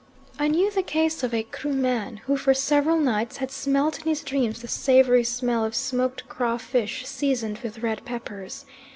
I knew the case of a Kruman who for several nights had smelt in his dreams the savoury smell of smoked crawfish seasoned with red peppers.